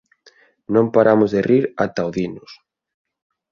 Non paramos de rir ata o Dinos.